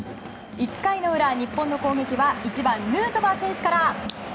１回の裏、日本の攻撃は１番、ヌートバー選手から。